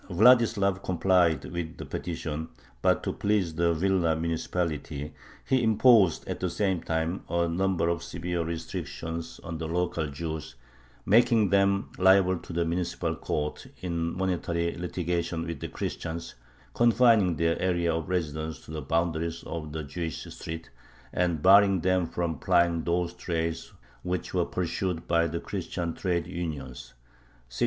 Vladislav complied with the petition, but, to please the Vilna municipality, he imposed at the same time a number of severe restrictions on the local Jews, making them liable to the municipal courts in monetary litigation with Christians, confining their area of residence to the boundaries of the "Jewish street," and barring them from plying those trades which were pursued by the Christian trade unions (1633).